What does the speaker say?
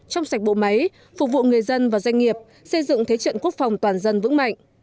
trong sạch bộ máy phục vụ người dân và doanh nghiệp xây dựng thế trận quốc phòng toàn dân vững mạnh